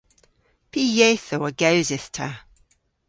Py yethow a gewsydh ta?